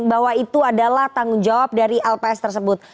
bahwa itu adalah tanggung jawab dari lps tersebut